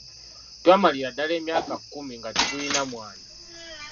Twamalira ddala emyaka kkumi nga tetulina mwana.